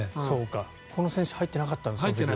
この選手入ってなかったんだ、その時は。